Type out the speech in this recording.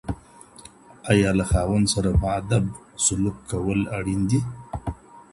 آيا له خاوند سره په ادب سلوک کول اړين دي؟